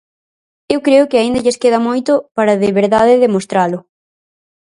Eu creo que aínda lles queda moito para de verdade demostralo.